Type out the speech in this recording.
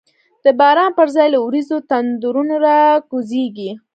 د باران پر ځای له وریځو، تندرونه را کوزیږی